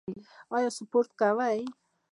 ایا سپورت کوئ؟